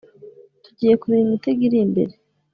tugiye kureba imitego iri mbere